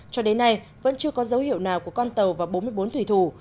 cho đến nay vẫn chưa có dấu hiệu nào của con tàu và bốn mươi bốn thủy thủ